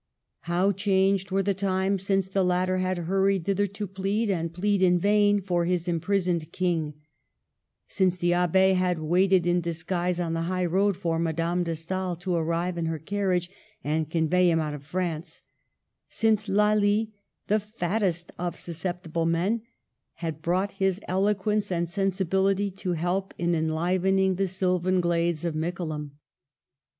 How changed were the times since the latter had hurried thitherto plead, and plead in vain, for his imprisoned King ; since the Abb6 had waited in disguise on the high road for Madame de Stael to arrive in her carriage and convey him out of France; since Lally, "the fattest of susceptible men," had brought his eloquence and sensibility to help in enlivening the sylvan glades of Mickleham.